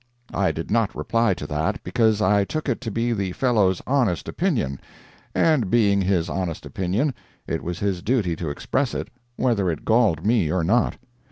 I did not reply to that, because I took it to be the fellow's honest opinion; and being his honest opinion, it was his duty to express it, whether it galled me or not.